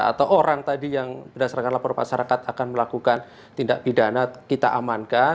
atau orang tadi yang berdasarkan laporan masyarakat akan melakukan tindak pidana kita amankan